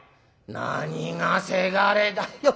「何がせがれだよ。